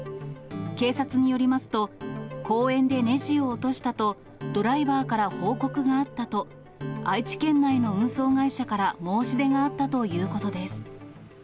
警察によりますと、公園でねじを落としたと、ドライバーから報告があったと、愛知県内の運送会社から申し出があったということです。